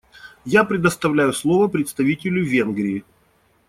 Я предоставляю слово представителю Венгрии.